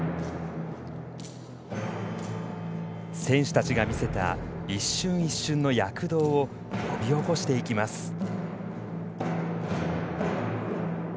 選手たちが見せた一瞬一瞬の躍動を呼び起こしていきます。